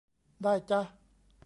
ได้จ๊ะ